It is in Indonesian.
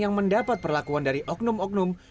yang mendapat perlakuan dari oknum oknum